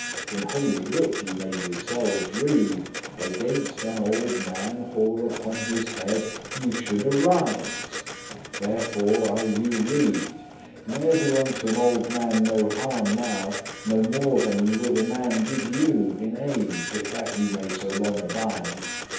*except In Holy Writ ye may yourselves read; 'Against* an old man, hoar upon his head, *to meet Ye should arise:' therefore I you rede,* *advise Ne do unto an old man no harm now, No more than ye would a man did you In age, if that ye may so long abide.